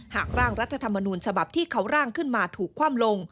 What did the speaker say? หากร่างรัฐธรรมนูญฉบับที่เขาร่างขึ้นมาถูกคว่ำลง